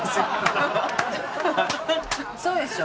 そうでしょ？